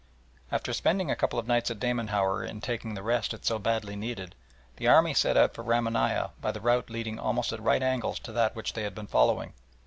After spending a couple of nights at Damanhour in taking the rest it so badly needed, the army set out for Ramanieh by a route leading almost at right angles to that which they had been following.